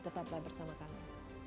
tetaplah bersama kami